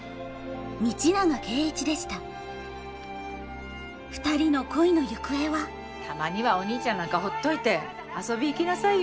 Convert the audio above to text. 道永圭一でしたたまにはお兄ちゃんなんかほっといて遊び行きなさいよ。